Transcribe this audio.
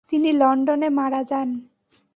তিনি লন্ডনে মারা যান।